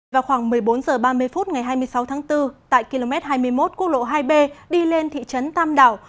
vào khoảng một mươi bốn h ba mươi phút ngày hai mươi sáu tháng bốn tại km hai mươi một quốc lộ hai b đi lên thị trấn tam đảo